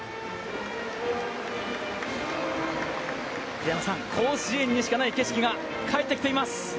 栗山さん、甲子園にしかない景色が帰ってきています。